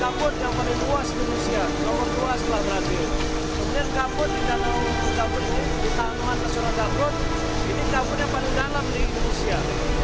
dan gambut di tanuhan restoran zamrut ini gambut yang paling dalam di indonesia